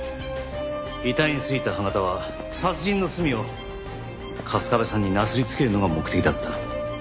遺体についた歯形は殺人の罪を春日部さんになすりつけるのが目的だった。